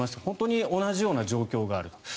本当に同じような状況がある。